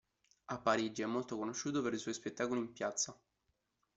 A Parigi è molto conosciuto per i suoi spettacoli in piazza.